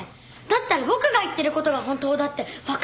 だったら僕が言ってる事が本当だってわかるでしょ！？